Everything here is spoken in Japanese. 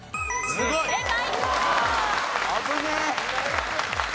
正解。